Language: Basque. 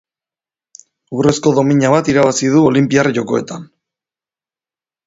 Urrezko domina bat irabazi du Olinpiar Jokoetan.